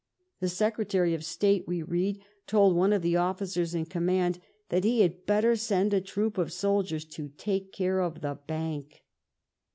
The Secretary of State, we read, told one of the officers in conmiand that he had better send a body of troops to take care of the Bank.